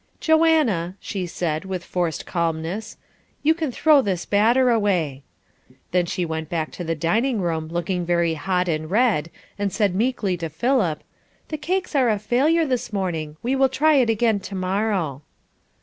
"Joanna," she said, with forced calmness, "you can throw this batter away." Then she went back to the dining room, looking very hot and red, and said meekly to Philip: "The cakes are a failure this morning, we will try it again tomorrow."